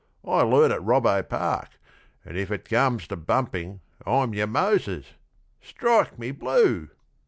I learnt at Robbo Park, and if it comes To bumping I'm your Moses! Strike me blue!'